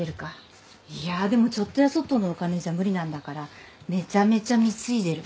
いやでもちょっとやそっとのお金じゃ無理なんだからめちゃめちゃ貢いでる。